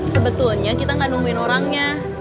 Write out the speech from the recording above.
sebetulnya kita nggak nungguin orangnya